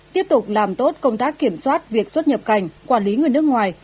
tiếp tục làm tốt công tác kiểm soát việc xuất nhập cảnh quản lý người nước ngoài